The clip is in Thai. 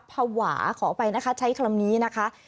พาหวะขอไปนะคะใช้คำนี้นะคะ